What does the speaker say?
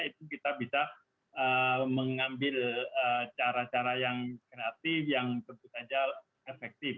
itu kita bisa mengambil cara cara yang kreatif yang tentu saja efektif